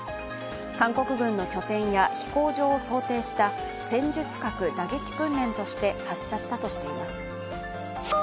韓国軍の拠点や飛行場を想定した戦術核打撃訓練として発射したとしています。